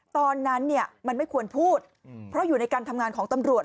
ตอนนั้นเนี่ยมันไม่ควรพูดเพราะอยู่ในการทำงานของตำรวจ